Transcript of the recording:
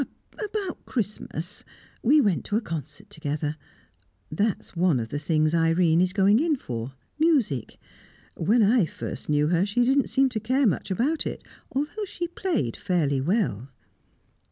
"About Christmas. We went to a concert together. That's one of the things Irene is going in for music. When I first knew her, she didn't seem to care much about it, though she played fairly well."